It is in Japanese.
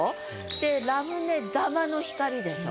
でラムネ玉の光でしょ？